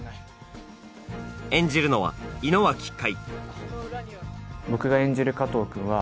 演じるのは井之脇海